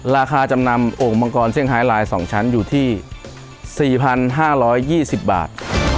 ราคาจำนำโอ่งมังกรเซี่ยไลน์๒ชั้นอยู่ที่๔๕๒๐บาท